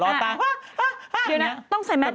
เห็นไหมต้องใส่แม็ตดูหน่อย